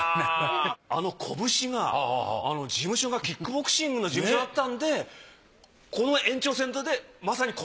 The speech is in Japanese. あのこぶしが事務所がキックボクシングの事務所だったんでこの延長線上でまさに拳。